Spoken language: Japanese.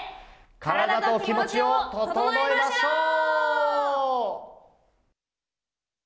体と気持ちを整えましょう！